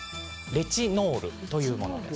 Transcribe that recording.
レチノールというものなんです。